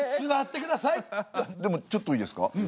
でもちょっといいですか？